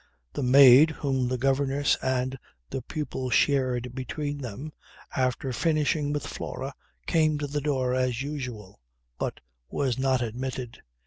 The maid, whom the governess and the pupil shared between them, after finishing with Flora, came to the door as usual, but was not admitted.